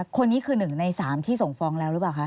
คนนี้คือหนึ่งในสามที่ส่งฟองแล้วหรือเปล่าคะ